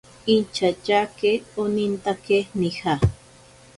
Inchatyake onintake nija.